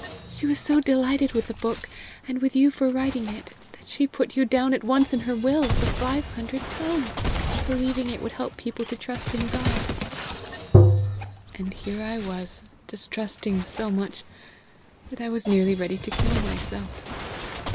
She was so delighted with the book, and with you for writing it, that she put you down at once in her will for five hundred pounds, believing it would help people to trust in God." "And here was I distrusting so much that I was nearly ready to kill myself.